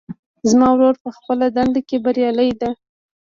زما ورور په خپله دنده کې بریالۍ ده